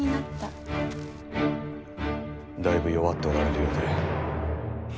だいぶ弱っておられるようで。